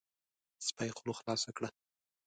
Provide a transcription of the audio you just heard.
سپي خوله خلاصه کړه،